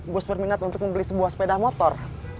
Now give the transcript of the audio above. bus berminat untuk membeli sebuah sepeda motor